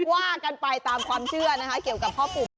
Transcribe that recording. ว่ากันไปตามความเชื่อเกี่ยวกับข้อปุ่ม